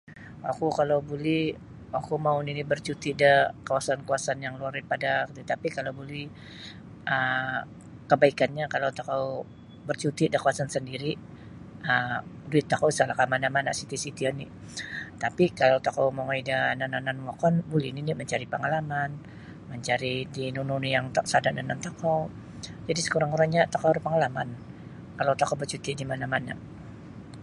Oku kalau buli oku mau nini' barcuti' da kawasan-kawasan yang luar daripada tatapi' kalau buli um kabaikannyo kalau tokou barcuti da kawasan sandiri um duit tokou isa'lah kamana'-mana' siti-siti oni' tapi kalau tokou mongoi da anan-anan wokon buli nini' mancari' pangalaman mancari iti nunu oni' yang sada da yanan tokou jadi' sakurang-kurangnyo tokou ada pangalaman kalau tokou barcuti' di mana-mana'.